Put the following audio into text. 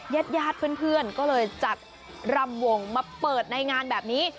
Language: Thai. ญาติญาติเพื่อนก็เลยจัดรำวงมาเปิดในงานแบบนี้